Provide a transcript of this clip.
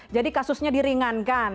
jadi kasusnya diringankan